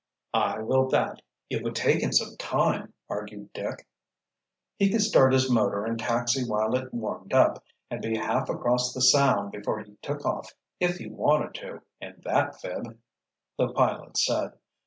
"I will that." "It would take him some time," argued Dick. "He could start his motor and taxi while it warmed up, and be half across the Sound before he took off if he wanted to, in that 'phib,'" the pilot said.